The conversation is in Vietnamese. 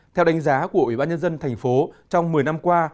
theo đánh giá của ủy ban nhân dân thành phố trong một mươi năm qua